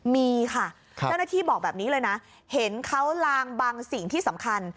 มีค่ะเจ้าหน้าที่บอกแบบนี้เลยนะเห็นเขาลางบางสิ่งที่สำคัญ